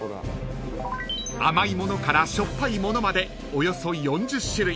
［甘いものからしょっぱいものまでおよそ４０種類］